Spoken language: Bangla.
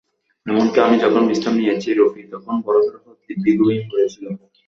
এমনকি আমি যখন বিশ্রাম নিয়েছি, রুপি তখন বরফের ওপর দিব্যি ঘুমিয়ে পড়েছিল।